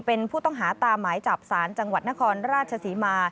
เป็นผู้ต้องหาตามหมายจับศาลจังหวัดนครราชศรีมา